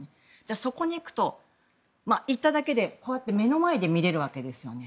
そこに行くと行っただけで、こうやって目の前で見れるわけですね。